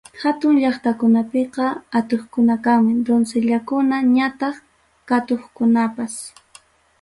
Hatun llaqtakunapiqa atuqkuna kanmi, doncellakuna ñataq qatuqkunapas.